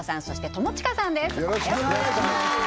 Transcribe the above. よろしくお願いします